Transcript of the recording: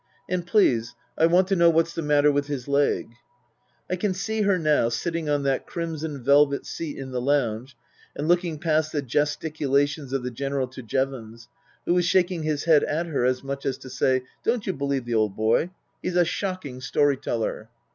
And please, I want to know what's the matter with his leg." I can see her now, sitting on that crimson velvet seat in the lounge and looking past the gesticulations of the General to Jevons, who was shaking his head at her as much as to say, " Don't you believe the old boy, he's a shocking story teller."